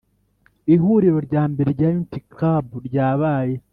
Ihuriro ryambere rya Unity club ryabaye